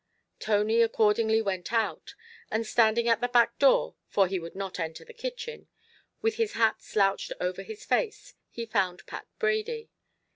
Tony accordingly went out; and standing at the back door, for he would not enter the kitchen, with his hat slouched over his face, he found Pat Brady.